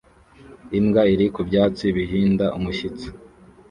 Imbwa iri ku byatsi bihinda umushyitsi